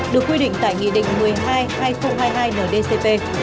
được quy định tại nghị định một mươi hai hai nghìn hai mươi hai ndcp